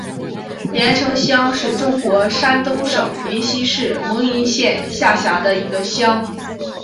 联城乡是中国山东省临沂市蒙阴县下辖的一个乡。